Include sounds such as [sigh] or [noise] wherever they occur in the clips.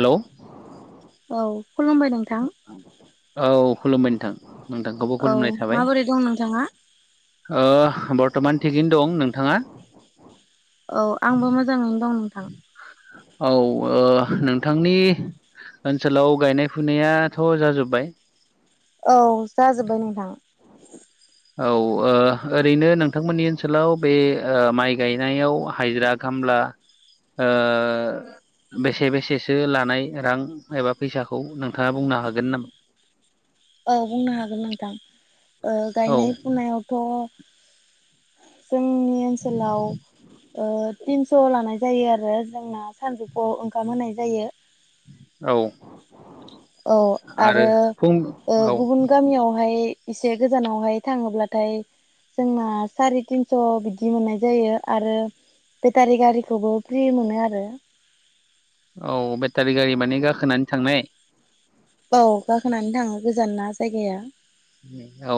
Hello औ खुलुमबाय नोंथां औ खुलुमबाय नोंथां नोंथांखौबो औ खुलुमनाय थाबाय माबोरै दं नोंथाङा ओ बर्थमान थिगैनो दं नोंथाङा औ आंबो मोजाङैनो दं नोंथां औ ओ नोंथांनि ओनसोलाव गायनाय फुनायाथ' जाजोबबाय औ जाजोब्बाय नोंथां औ ओ ओरैनो नोंथांमोननि ओनसोलाव बे माइ गायनायाव हाजिरा खामला ओ बेसे बेसेसो लानाय रां एबा फैसाखौ नोंथाङा बुंनो हागोन नामा औ बुंनो हागोन नोंथां औ गायनाय फुनायावथ' जोंनि ओनसोलाव ओ तिनस' लानाय जायो आरो जोंना सानजौफुआव ओंखाम होनाय जायो। औ औ आरो फुं औ जोंनियावहाय एसे गोजानावहाय थाङोब्लाथाय जोंना सारि तिनस' बिदि मोननाय जायो आरो बेटारि गारिखौबो फ्रि मोनो आरो औ बेटारि गारि माने गाखोनानै थांनाय औ गाखोनानै थाङो गोजान ना जायगाया औ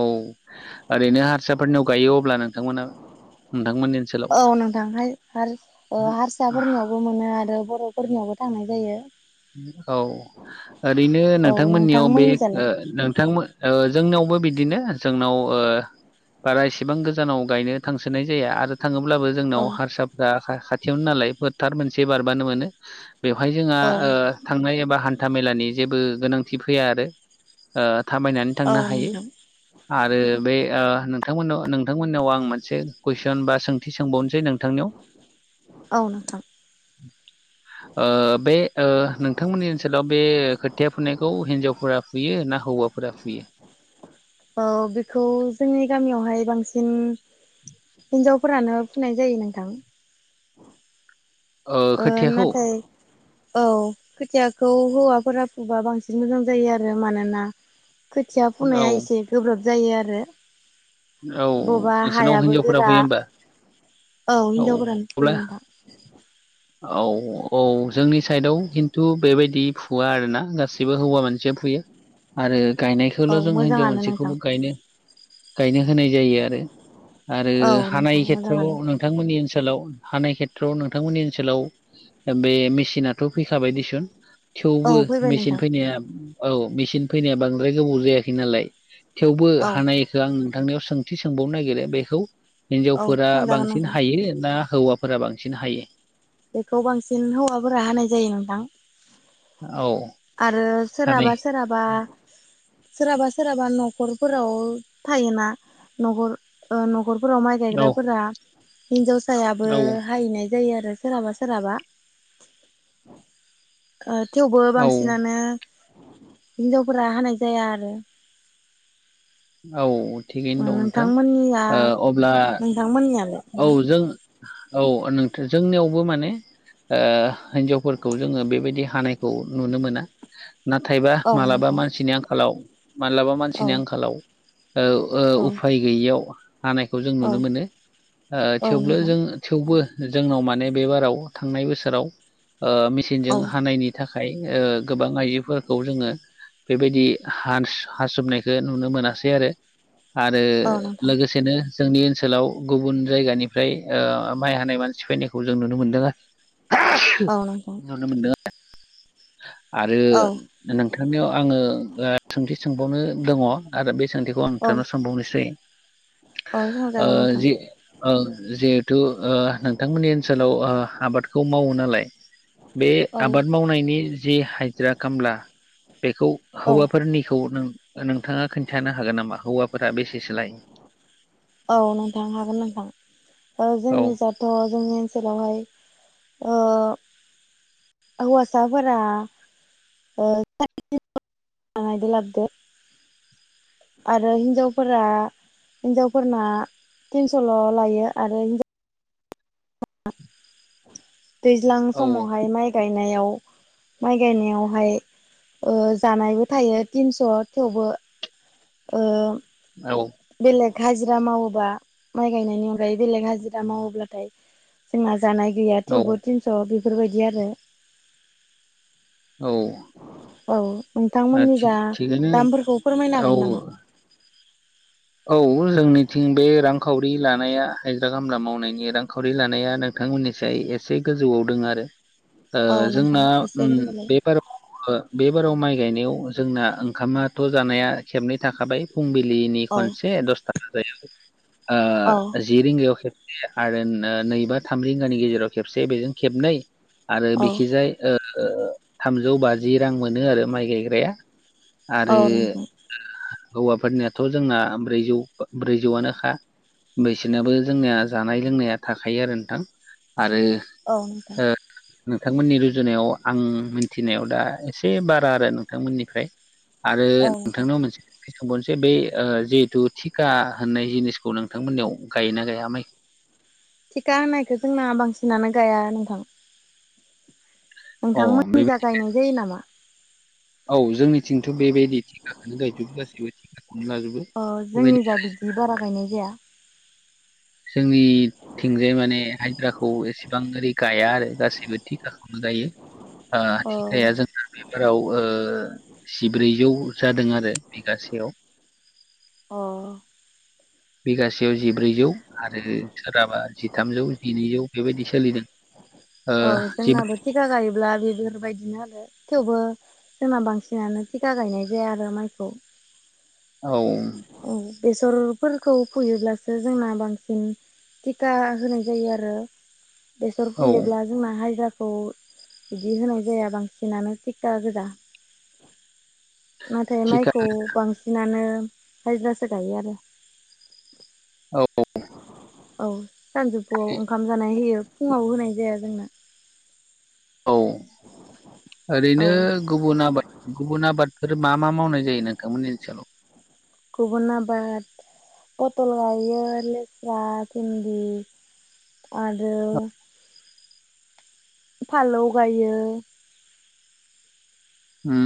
ओरैनो हारसाफोरनियाव गायो अब्ला नोंथांमोना नोंथांमोननि ओनसोलाव औ नोंथां हाय हारसाफोरनियावबो मोनो आरो बर'फोरनियावबो थांनाय जायो औ ओरैनो औ नोंथांमोननियाव बे नोंथांमोननिजालाय ओ नोंथां जोंनावबो बिदिनो जोंनाव ओ बारा एसेबां गोजानाव गायनो थांसोनाय जाया आरो थाङोब्लाबो औ जोंनाव हारसाफ्रा खाथियावनो नालाय फोथार मोनसे बारबानो मोनो। बेवहाय जोंहा औ ओ थांनाय एबा हान्था मेलानि जेबो गोनांथि फैया आरो ओ थाबायनानै औ थांनो हायो नोंथां आरो बे नोंथांमोन ओ नोंथांमोननाव आं मोनसे मोनसे कुइसन बा सोंथि सोंबावनोसै नोंथांनियाव औ नोंथां ओ बे ओ नोंथांमोननि ओनसोलाव बे खोथिया फुनायखौ हिन्जावफोरा फुयो ना हौवाफोरा फुयो? औ बेखौ जोंनि गामियावहाय बांसिन हिनजाव फोरानो फुनाय जायो नोंथां ओ नाथाय औ खोथियाखौ हौवाफोरा फुबा बांसिन मोजां जायो आरो मानोना खोथिया औ फुनाया एसे गोब्राब जायो आरो औ बबेबा नोंसोरनाव हायाबो हिनजावफोरा गोरा फुयो होमबा औ औ हिजावफोरानो फुयो अब्ला नोंथां औ औ जोंनि साइदआव खिन्थु बेबायदि फुवा आरोना गासैबो हौवा मानसिया फुयो। आरो औ गायनायखौल' जों हिनजाव मोजाङानो नोंथां मोनसेखौबो गायनो गायनो होनाय जायो आरो आरो औ हानाय नोंथां खेथ्रआवनो मोजाङानो नोंथांमोननि ओनसोलाव हानाय खेथ्रआव नोंथांमोननि ओनसोलाव बे मेचिनाथ' फैखाबाय दिसुन औ थेवबो फैबाय मेचिन नोंथां फैनाया औ मेचिन फैनाया बांद्राय गोबाव जायाखै नालाय थेवबो औ हानायखो आं नोंथांनियाव सोंथि सोंबावनो नागिरो बेखौ औ हिनजावफोरा सोंजागोन बांसिन नोंथां हायो ना हौवाफोरा बांसिन हायो? बेखौ बांसिन हौवाफोरा हानाय जायो नोंथां औ आरो हानाय सोरहाबा सोरहाबा सोरहाबा सोरहाबा न'खरफोराव थायोना नख'र ओ नख'र फोराव माइ औ गायग्राफोरा हिनजावसायाबो औ हाहैनाय जायो आरो सोरहाबा सोरहाबा थेवबो औ बांसि नो हिनजावफोरा हानाय जाया आरो औ थिगैनो दं नोंथां नोंथांमोननिया अब्ला नोंथांमोननियालाय औ नोंथां जों औ नोंथां जोंनियावबो माने ओ हिन्जावफोरखौ जोङो बेबायदि हानायखौ नुनो मोना नाथायबा औ मालाबा नोंथां मानसिनि आंखालाव मालाबा औ मानसिनि आंखालाव ओ ओ औ उफाय गैयियाव हानायखौ जों औ नुनो मोनो औ थेवबो नोंथां जों थेवबो जोंनाव माने बेबाराव थांनाय बोसोराव मेसिनजों औ हानायनि थाखाय गोबां आइजोफोरखौ जोङो बेबायदि हानस हा सोबनायखो नुनो मोना सै आरो आरो औ नोंथां लोगोसेनो जोंनि ओनसोलाव गुबुन जायगानिफ्राय माइ हानाय मानसि फैनायखौ जों नुनो मोनदों आरो ओव नंगौ नुनो मोनदों [unintelligible] आरो औ नोंथांनियाव आङो सोंथि सोंबावनो दङ आरो बे सोंथिखौ आं औ थांनो सानबावनोसै औ ओ सोंजागोन नोंथां जि ओ जिहेथु नोंथांमोननि ओनसोलाव आबादखौ मावो नालाय बे औ आबाद मावनायनि जि हजिरा खामला बेखौ औ हौवाफोरनिखौ नों नोंथाङा खोन थानो हागोन नामा हौवाफोरा बेसेसो लायो औ नोंथां हागोन नोंथां ओ औ जोंनि जा थ जोंनि ओनसोलावहाय ओ हौवासाफोरा [unintelligible] लाबदो आरो हनजावफोरा हिनजावफोरना तिनसल' लायो आरो दैज्लां औ समावहाय माइ गायनायाव माइ गायनायावहाय जानायबो थायो तिनस' थेवबो ओ औ बेलेग हाजिरा मावोबा माइ गायनायनि अनगायै बेलेग हाजिरा मावोब्लाथाय जोंना जानाय गैया औ थेवबो थिनस' बेफोरबायदि आरो औ औ थि नोंथांमोननिजा थिगैनो दामफोरखौ फोरमायनो औ हागोन नामा औ जोंनिथिं बे रांखावरि लानाया हाजिरा खामला मावनायनि रांखावरि लानाया नोंथांमोननिसाय एसे गोजौआव दोङो आरो ओ औ जोंना नोंथां एसे ओम फोरमायलाय बे बार बे बाराव माइ गायनायाव जोंना ओंखामाथ' जानाया खेबनै थाखाबाय फुंबिलिनि औ खनसे दसथा बाजायाव औ आ जि रिंगायाव खेबसे आरो नैबा थाम रिंगानि गेजेराव खेबसे बेजों खेबनै आरो औ बिखिजाय थामजौ बाजि रां मोनो आरो माइ गायग्राया औ आरो नोंथां हौवाफोरनियाथ' जोंना ब्रैजौ ब्रैजौआनोखा बिसोरनाबो जोंनिया जानाय लोंनाया थाखायो आरो नोंथां आरो औ नोंथां ओ नोंथांमोननि रुजुनायाव आं मोनथिनायाव दा एसे बारा आरो नोंथांमोननिफ्राय आरो औ नोंथां नोंथांनाव मोनसे सोंथि सोंबावनोसै बे जिहेथु थिखा होननाय जिनिसखौ नोंथांमोननियाव गायोना गाया माइखौ थिखा होनायखौ जोंना बांसिनानो गाया नोंथां अ नोंथांमोनिजा बेबायदि गायनाय जायो नामा औ जोंनिथिंथ' बेबायदि थिखाखौनो गायजोबो गासैबो थिकाखौनो लाजोबो अ जोंनि बेबायदि जा बिदि बारा गायनाय जाया जोंनि थिंजाय माने हाजिराखौ एसेबां ओरै गाया आरो गासैबो थिखाखौनो गायो आ अ थिकाया जोंना बेफोराव जिब्रैजौ जादों आरो बिगासेयाव अ बिगासेयाव जिब्रैजौ आरो सोरहाबा जिथामजौ जिनैजौ बेबायदि सोलिदों ओ औ जिब्रै जोंनाबो थिखा गायोब्ला बेफोरबायदिनो आरो थेवबो जोंना बांसिनानो थिका गायनाय जाया आरो माइखौ औ औ बेसरफोरखौ फुयोब्लासो जोंना बांसिन थिका होनाय जायो आरो बेसर औ फुयोब्ला जोंना हाजिराखौ बिदि होनाय जाया बांसिनानो थिकटा गोजा नाथाय थिखा माइखौ बांसिनानो हाजिरासो गायो आरो औ औ सानजौफुआव ओंखाम जानाय होयो फुङाव होनाय जाया जोंना। औ औ ओरैनो गुबु बुन आबाद गुबुन आबादफोर मा मा मावनाय जायो नोंथांमोननि ओनसोलाव गुबुन आबाद पथल गायो लेस्रा भिन्दि आरो फालौ गायो उम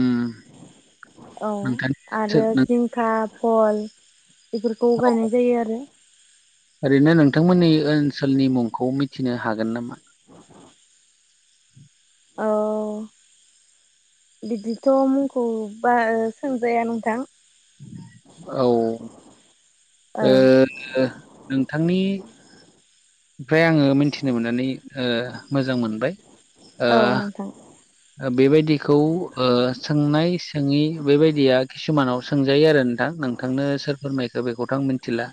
औ नोंथांनि आरो ओनसोल नों जिंख खा भल इफोरखौ औ गायनाय जायो आरो ओरैनो नोंथांमोननि ओनसोलनि मुंखौ मिथिनो हागोन नामा [inaudible] औ बिदिथ' मुंखौ बारा सोंजाया नोंथां औ अ ओ नोंथांनि ओमफ्राय आङो मिथिनो मोननानै ओ मोजां मोनबाय ओ औ नोंथां ओ बेबायदिखौ ओ सोंनाय सोङि बेबायदिया किसुमानाव सोंजायो आरो नोंथां नोंथांनो सोर फोरमायखो बेखौथ' आं मिथिला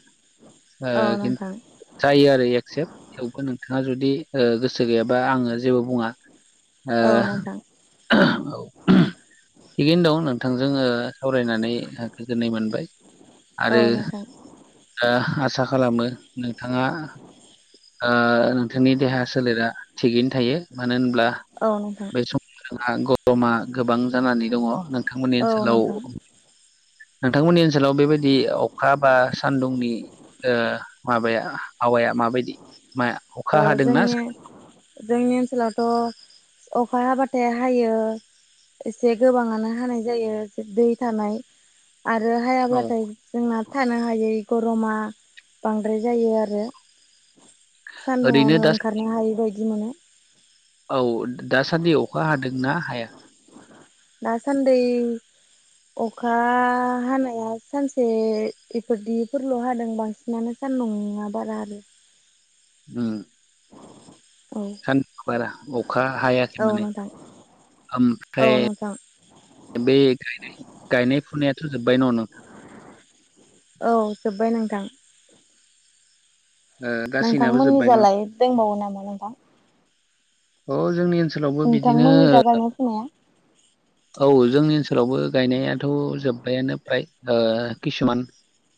ओ औ खिन नोंथां जायो आरो एक्सेप्ट थेवबो नोंथाङा जुदि ओ गोसो गैयाबा आङो जेबो बुङा ओ औ नोंथां औ थिगैनो दं नोंथांजों ओ सावरायनानै ओ गोजोननाय मोनबाय आरो औ नोंथां ओ आसा खालामो नोंथाङा आ नोंथांनि देहा सोलेरा थिगैनो थायो मानो होनब्ला औ नोंथां बे समाव जोंहा गरमा गोबां जानानै दङ नोंथांमोननि औ ओनसोलाव नोंथां नोंथांमोननि ओनसोलाव बेबायदि अखा बा सानदुंनि ओ माबाया आबहावाया माबायदि मा ओ अखा हादोंना जोंनि जोंनि ओनसोलावथ' अखा हाबाथाय हायो एसे गोबाङानो हानाय जायो दै थानाय आरो औ हायाब्लाथाय जोंना थानो हायै गरमा बांद्राय जायो आरो ओरैनो सानदुङावनो दा ओंखारनो हायि बायदि मोनो औ दासानदि अखा हादोंना हाया दासानदै अखा हानाया सानसे इफोरदिफोरल' हादों बांसिन माने सानदुङा बारा आरो ओम [inaudible] सानदुं बारा अखा हायाखै औ माने नोंथां औ ओमफ्राय नोंथां बे गायनाय फुनायाथ' जोबबाय न' नोंथां औ जोबबाय नोंथां ओ गासैनाबो नोंथांमोननि जोब्बाय न' जालाय दंबावो नामा नोंथां औ जोंनि ओनसोलावबो बिदिनो नोंथांमोननि जा गायनाय फुनाया औ जोंनि ओनसोलावबो गायनायाथ' जोबबायानो फ्राय किसुमान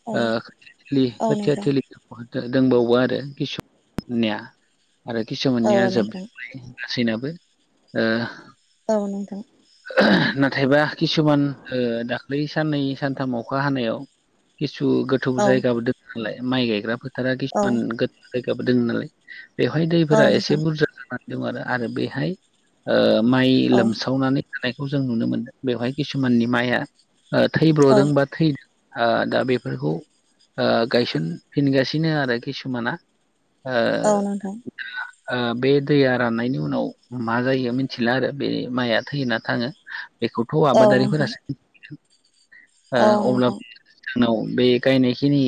औ ओ खोथिया थिलि औ खोथिया नोंथां थिलिखौ दंबावो आरो किसुमनिया आरो औ किसुमाननिया नोंथां जोबजोबबाय गासैनाबो औ नोंथां नाथायबा किसुमान दाख्लै साननै सानथाम अखा हानायाव किसु गोथौ औ जायगाबो दङ नालाय माइ गायग्रा फोथारा औ खिसुमान जायगाबो दङ नालाय बेवहाय दैफोरा औ नोंथां एसे बुरजा जानानै दं आरो आरो बेहाय माइ औ लोमसावनानै थानायखौ जों नुनो मोनदों बेवहाय किसुमाननि माइआ औ थैब्र'दों बा थै दा बेफोरखौ ओ गायसनफिनगासिनो आरो किसुमाना ओ औ नोंथां ओ बे दैया राननायनि उनाव मा जायो मिथिला आरो बे माइआ थैयोना थाङो बेखौथ' औ नोंथां आबादारिफोरासो मिथिगोन औ ओ अब्ला नोंथां जोंनाव बे गायनायखिनि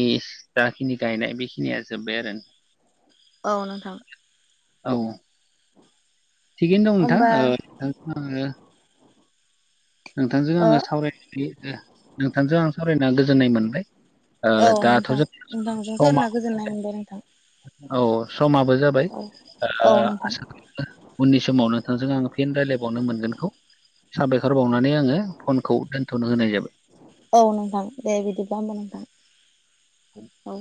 जाखिनि गायनाय बेखिनिया जोबबाय आरो औ नोंथां औ थिगैनो दं होमबा नोंथां नोंथांजों ओ आङो सावराये नोंथांजों आं सावरायना गोजोननाय मोनबाय औ दा थ' नोंथां नोंथांजों सावरायना गोजोननाय मोनबाय नोंथां औ समाबो जाबाय औ औ नोंथां उननि समाव नोंथांजों आं फिन रायलायबावनो मोनगोनखौ साबायखर ओंखारबावनानै आङो फनखौ दोन्थ'नो होनाय जाबाय औ नोंथां दे बिदिब्ला होमबा नोंथां औ